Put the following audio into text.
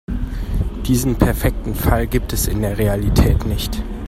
Diesen perfekten Fall gibt es in der Realität nicht.